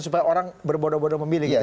supaya orang berbodoh bodoh memilih gitu